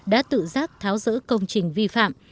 đã tự giác tháo giữ công trình vi phạm